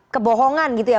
kebohongan gitu ya